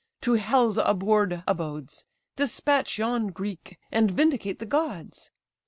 to hell's abhorr'd abodes Despatch yon Greek, and vindicate the gods.